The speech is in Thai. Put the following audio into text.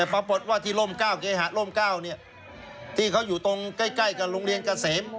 แกประวัติว่าที่โรมเก้าเกฮะโรมเก้าเนี่ยที่เขาอยู่ตรงใกล้กับโรงเรียนเกษม